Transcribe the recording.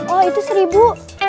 oh itu seribu